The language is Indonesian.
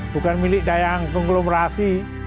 bukan milik daya konglomerasi